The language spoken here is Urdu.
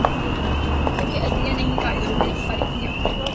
کیونکہ عدلیہ نے ہی قائد جمہوریت کو فارغ کیا۔